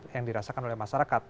yang dirasakan oleh masyarakat